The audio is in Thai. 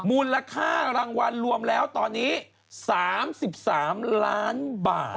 มูลค่ารางวัลรวมแล้วตอนนี้๓๓ล้านบาท